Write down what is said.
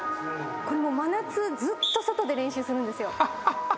真夏ずっと外で練習するんですよ。